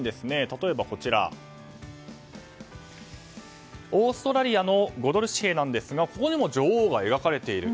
例えばオーストラリアの５ドル紙幣なんですがここでも女王が描かれている。